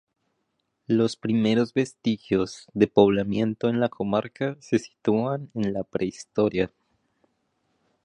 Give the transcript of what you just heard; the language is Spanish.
Los primeros vestigios de poblamiento en la comarca se sitúan en la Prehistoria.